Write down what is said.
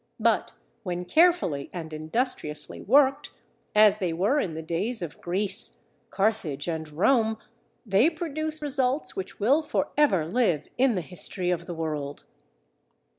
But when carefully and industriously worked, as they were in the days of Greece, Carthage, and Rome, they produce results which will for ever live in the history of the world.